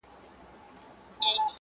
ستا د ميني پـــه كـــورگـــي كـــــي,